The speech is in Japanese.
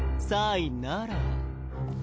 さいなら